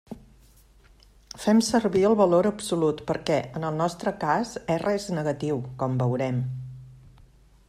Fem servir el valor absolut perquè, en el nostre cas, R és negatiu, com veurem.